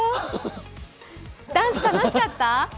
ダンス楽しかった？